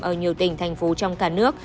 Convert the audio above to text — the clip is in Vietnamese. ở nhiều tỉnh thành phố trong cả nước